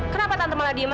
kenapa tante malah diem aja